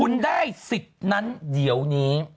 คุณได้สิทธิ์นั้นเดี๋ยวนี้